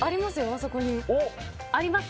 あそこにあります？